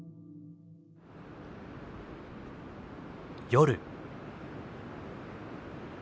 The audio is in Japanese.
夜。